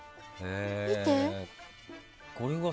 見て。